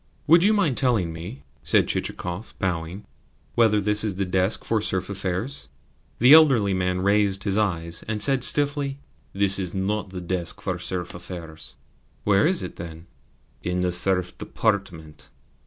"Would you mind telling me," said Chichikov, bowing, "whether this is the desk for serf affairs?" The elderly man raised his eyes, and said stiffly: "This is NOT the desk for serf affairs." "Where is it, then?" "In the Serf Department."